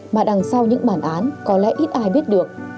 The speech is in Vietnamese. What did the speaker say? mà đằng sau những bản án có lẽ ít ai biết được